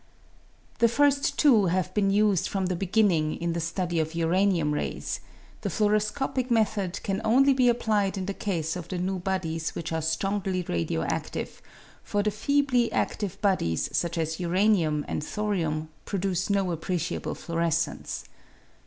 The first two have been used from the beginning in the study of uranium rays ; the fluoroscopic method can only be applied in the case of the new bodies which are strongly radio adlive, for the feebly active bodies such as uranium and thorium produce no appreciable fluorescence.